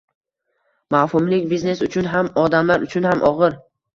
Mavhumlik biznes uchun ham, odamlar uchun ham ogʻir.